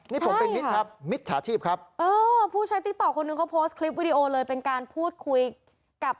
นี่ผมมันคือมิจฉาชีพครับ